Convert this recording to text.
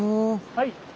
はい。